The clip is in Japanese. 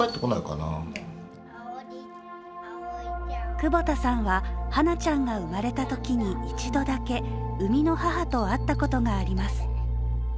久保田さんは、はなちゃんが生まれたときに一度だけ生みの母と会ったことがあります。